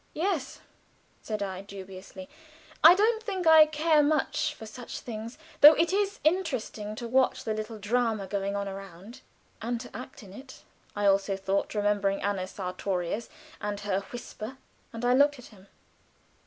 "Yes," said I, dubiously, "I don't think I care much for such things, though it is interesting to watch the little drama going on around." "And to act in it," I also thought, remembering Anna Sartorius and her whisper, and I looked at him.